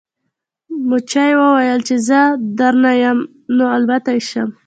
مچۍ وویل چې که زه دروند یم نو الوتلی شم.